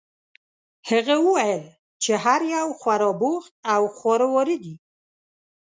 هغه وویل چې هر یو خورا بوخت او خواره واره دي.